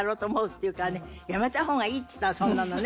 「やめた方がいい」って言ったのそんなのね。